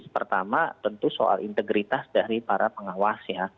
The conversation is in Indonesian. pertama tentu soal integritas dari para pengawas ya